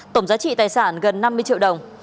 tổng giá trị tài sản gần năm mươi triệu đồng